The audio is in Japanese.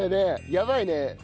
やばいね。